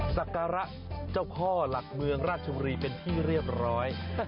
สักการะเจ้าพ่อหลักเมืองราชบุรีเป็นที่เรียบร้อย